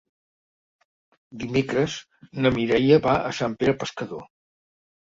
Dimecres na Mireia va a Sant Pere Pescador.